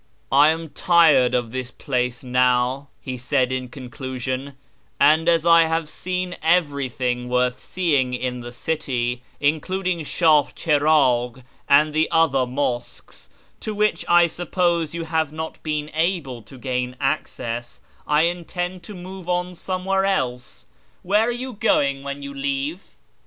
" I am tired of this place now," he said in conclusion, " and as I have seen everything worth seeing in the city, including Shah Chiragh and the other mosques (to which, I suppose, you have not been able to gain access), I intend to move on some where else. Where are you going when you leave